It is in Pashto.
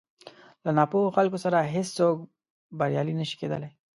له ناپوهو خلکو سره هېڅ څوک بريالی نه شي کېدلی.